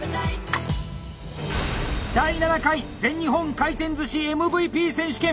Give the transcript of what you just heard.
「第７回全日本回転寿司ＭＶＰ選手権」。